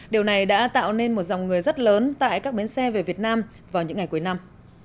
điều này đã tạo nên một dòng người rất lớn tại các bến xe về việt nam vào những ngày cuối năm